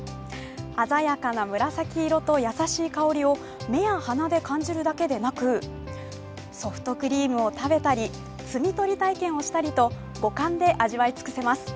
鮮やかな紫色や優しい香りを目や鼻で楽しむだけでなくソフトクリームを食べたり摘み取り体験をしたりと五感で味わい尽くせます。